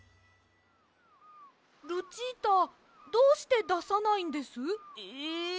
ルチータどうしてださないんです？え！？